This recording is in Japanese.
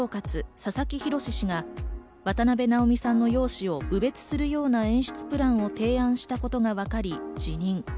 佐々木宏氏が渡辺直美さんの容姿を侮蔑するような演出プランを提案したことがわかり辞任。